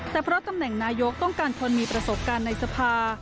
แต่เพราะตำแหน่งนายกต้องการคนมีประสบการณ์ในสภา